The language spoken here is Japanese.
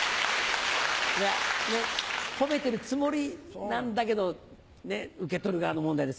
褒めてるつもりなんだけど受け取る側の問題です。